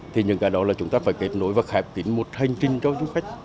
thì những cái đó là chúng ta phải kết nối và khạp tính một hành trình cho du khách